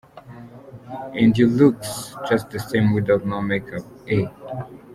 And your look's just the same without no make-up, eh.